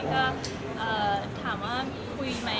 ก็ถามว่ามีคุยไหม